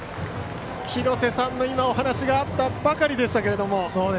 廣瀬さんのお話があったばかりでしたが。